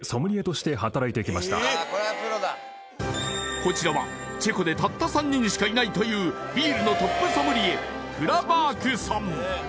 こちらはチェコでたった３人しかいないというビールのトップソムリエフラバークさん